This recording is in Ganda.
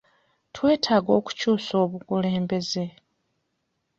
Twetaaga okukyusa obukulembeze.